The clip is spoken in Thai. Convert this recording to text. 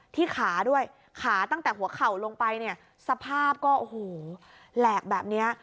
ขาด้วยขาตั้งแต่หัวเข่าลงไปเนี่ยสภาพก็โอ้โหแหลกแบบนี้